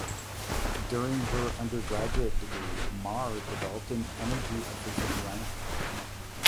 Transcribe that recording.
During her undergraduate degree Marr developed an energy efficient lamp.